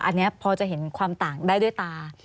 อันนี้พอจะเห็นความต่างได้ด้วยตา